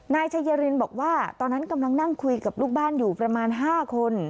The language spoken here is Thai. นายชัยรินบอกว่าตอนนั้นกำลังนั่งคุยกับลูกบ้านอยู่ประมาณ๕คน